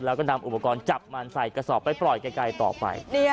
แล้วก็นำอุปกรณ์จับมันใส่กระสอบไปปล่อยไกลต่อไป